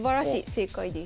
正解です。